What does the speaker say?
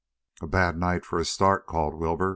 "A bad night for the start," called Wilbur.